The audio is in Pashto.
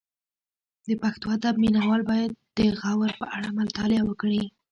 د پښتو ادب مینه وال باید د غور په اړه مطالعه وکړي